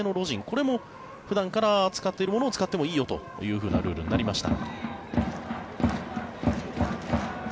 これも普段から使っているものを使っていいよというルールになりました。